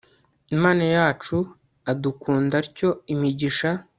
imana yacu, aduhunda atyo imigisha